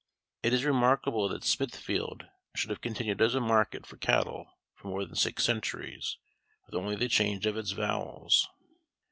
It is remarkable that Smithfield should have continued as a market for cattle for more than six centuries, with only the change of its vowels.